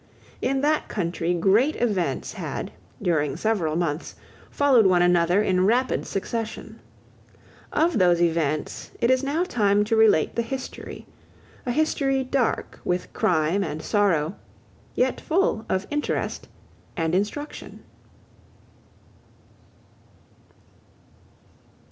In that country great events had, during several months, followed one another in rapid succession. Of those events it is now time to relate the history, a history dark with crime and sorrow, yet full of interest and instruction.